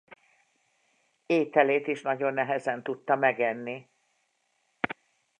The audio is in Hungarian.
Ételét is nagyon nehezen tudta megenni.